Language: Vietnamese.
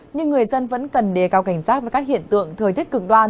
nhưng người dân vẫn cần đề cao cảnh giác với các hiện tượng thời tiết cực đoan